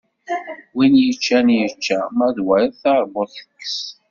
Win yeččan yečča, ma d wayeḍ teṛbut tekkes.